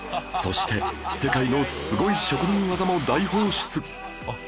そして世界のすごい職人技も大放出！